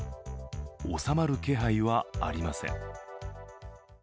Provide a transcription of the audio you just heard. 収まる気配はありません。